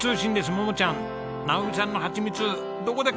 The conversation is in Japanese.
桃ちゃん直美さんのハチミツどこで買えますか？